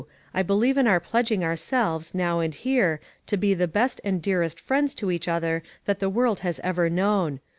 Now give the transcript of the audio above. I believe in our pledging ourselves, now and here, to be the best and dearest friends to each other that the world has ever known.